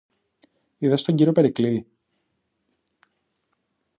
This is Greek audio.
Είδες τον κύριο Περικλή;